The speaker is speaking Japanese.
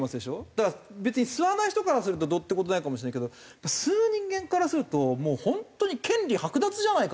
だから別に吸わない人からするとどうって事ないかもしれないけど吸う人間からするともう本当に権利剥奪じゃないかと。